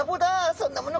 そんなもの